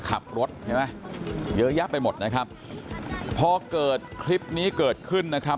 ขับรถใช่ไหมเยอะแยะไปหมดนะครับพอเกิดคลิปนี้เกิดขึ้นนะครับ